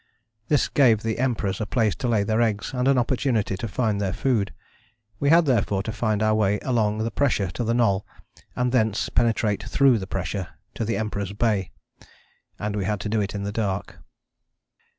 This gave the Emperors a place to lay their eggs and an opportunity to find their food. We had therefore to find our way along the pressure to the Knoll, and thence penetrate through the pressure to the Emperors' Bay. And we had to do it in the dark.